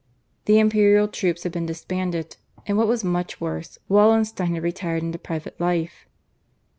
The imperial troops had been disbanded, and what was much worse, Wallenstein had retired into private life.